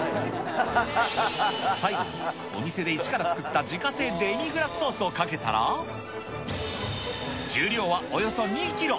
最後にお店で一から作った自家製デミグラスソースをかけたら、重量はおよそ２キロ。